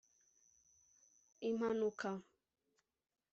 impanuka